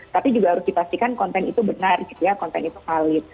tapi juga harus dipastikan konten itu benar gitu ya konten itu valid